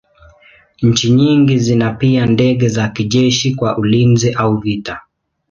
Nchi nyingi zina pia ndege za kijeshi kwa ulinzi au vita.